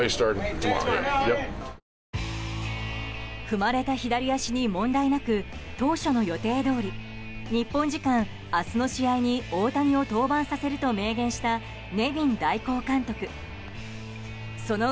踏まれた左足に問題なく当初の予定どおり日本時間明日の試合に大谷を登板させると明言したネビン監督代行。